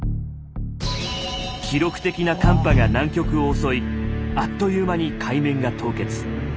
記録的な寒波が南極を襲いあっという間に海面が凍結。